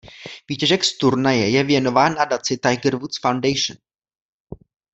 Výtěžek z turnaje je věnován nadaci Tiger Woods Foundation.